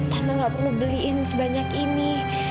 tante gak perlu beliin sebanyak ini